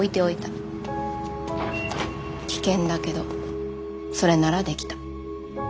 危険だけどそれならできた。